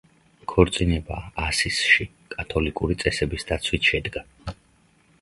ქორწინება ასისში, კათოლიკური წესების დაცვით შედგა.